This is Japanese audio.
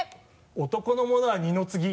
男のものは二の次。